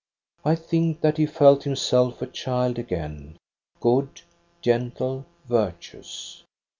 I think that he felt himself a child again, good, gentle, virtuous.